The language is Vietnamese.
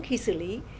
khi xử lý